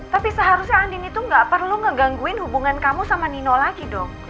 tapi seharusnya andini tuh gak perlu ngegangguin hubungan kamu sama nino lagi dong